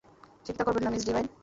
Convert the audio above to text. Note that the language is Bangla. চিন্তা করবেন না, মিস ডিভাইন।